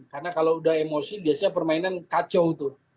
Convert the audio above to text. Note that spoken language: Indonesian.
karena kalau udah emosi biasanya permainan kacau tuh